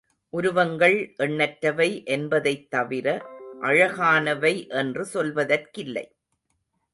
உருவங்கள் எண்ணற்றவை என்பதைத் தவிர அழகானவை என்று சொல்வதற்கில்லை.